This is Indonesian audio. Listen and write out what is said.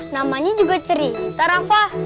namanya juga cerita rafa